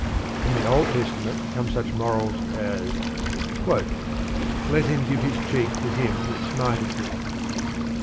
From the Old Testament come such morals as: Let him give his cheek to him that smiteth him (Lam.